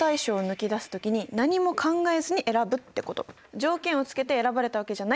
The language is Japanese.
条件をつけて選ばれたわけじゃないってこと。